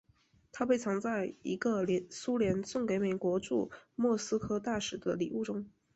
它被藏在一个苏联送给美国驻莫斯科大使的礼物中。